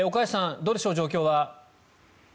どうでしょう、状況は。